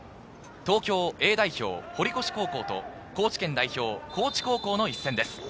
東京Ａ代表・堀越高校と高知県代表・高知高校の一戦です。